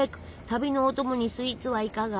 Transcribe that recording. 旅のお供にスイーツはいかが？